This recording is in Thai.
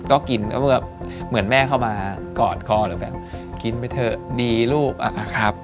ก็กินก็แบบเหมือนแม่เข้ามากอดคอหรือแบบกินไปเถอะดีลูกอะครับ